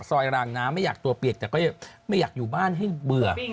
รางน้ำไม่อยากตัวเปียกแต่ก็ไม่อยากอยู่บ้านให้เบื่อ